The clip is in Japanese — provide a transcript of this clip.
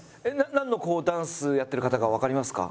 なんのダンスやってる方かわかりますか？